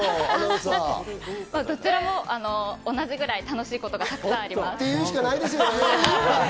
どちらも同じぐらい楽しいことがいっぱいあります。